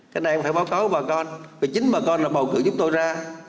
cái này em phải báo cáo bà con vì chính bà con là bầu cử giúp tôi ra